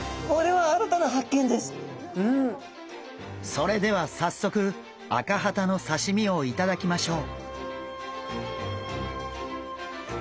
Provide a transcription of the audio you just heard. それではさっそくアカハタのさしみを頂きましょう。